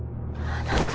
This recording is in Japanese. あなた